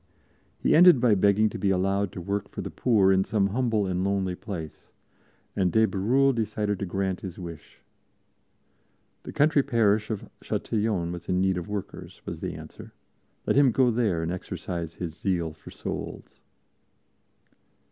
He ended by begging to be allowed to work for the poor in some humble and lonely place, and de Bérulle decided to grant his wish. The country parish of Châtillon was in need of workers, was the answer; let him go there and exercise his zeal for souls.